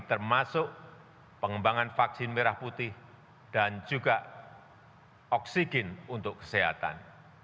termasuk pengembangan vaksin merah putih dan juga oksigen untuk kesehatan